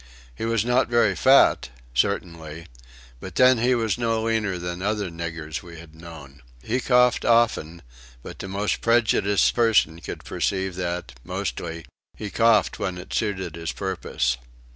He was not very fat certainly but then he was no leaner than other niggers we had known. He coughed often, but the most prejudiced person could perceive that, mostly, he coughed when it suited his purpose.